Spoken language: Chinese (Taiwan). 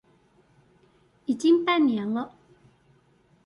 已經半年了